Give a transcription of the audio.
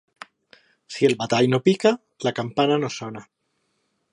Si el batall no pica, la campana no sona.